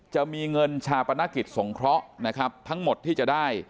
จะมีเงินชาปนกิจสงเคราะห์นะครับทั้งหมดที่จะได้